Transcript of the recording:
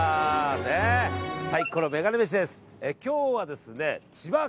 サイコロメガネ飯です。